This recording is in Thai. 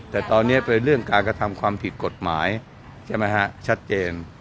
แต่ตอนนี้เป็นเรื่องการกระทำความผิดกฎหมายใช่ไหมฮะชัดเจน